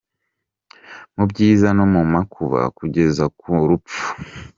Mu byiza no mu makuba, kugeza ku rupfu…”.